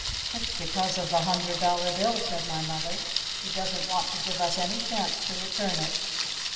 "It's because of the hundred dollar bill," said my mother. "He doesn't want to give us any chance to return it."